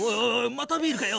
またビールかよ。